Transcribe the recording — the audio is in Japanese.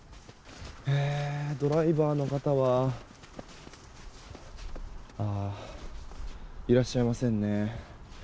ドライバーの方はいらっしゃいませんね。